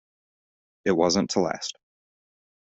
It wasn't to last.